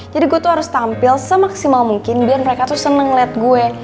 jadi gue tuh harus tampil semaksimal mungkin biar mereka tuh seneng liat gue